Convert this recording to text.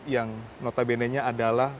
yang notabene nya adalah